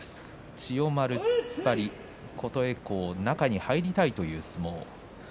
千代丸、突っ張り琴恵光、中に入りたいという相撲です。